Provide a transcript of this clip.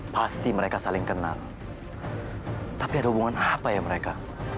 pasti mereka saling kenal tapi ada hubungan apa ya mereka